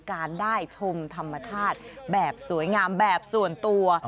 การได้ชมธรรมชาติแบบสวยงามแบบส่วนตัว